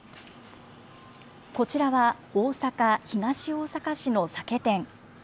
こちらは大阪・東大阪市の酒店。